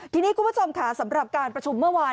ทีนี้คุณผู้ชมค่ะสำหรับการประชุมเมื่อวาน